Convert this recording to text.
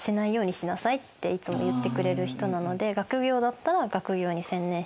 幼少期から自分をっていつも言ってくれる人なので学業だったら学業に専念して。